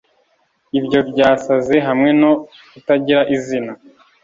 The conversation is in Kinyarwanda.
ibyo byasaze hamwe no kutagira izina